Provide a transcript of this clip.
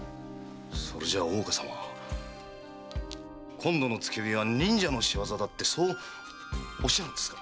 それじゃ今度の付け火は忍者の仕業だとおっしゃるんですか？